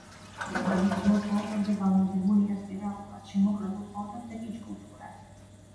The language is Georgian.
წიწვები გრძელ ყლორტებზე განლაგებულია სპირალურად, შემოკლებულ ყლორტებზე კი ჯგუფურად.